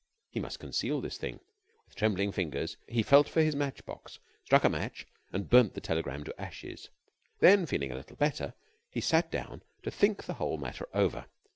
He must conceal this thing. With trembling fingers he felt for his match box, struck a match, and burnt the telegram to ashes. Then, feeling a little better, he sat down to think the whole matter over.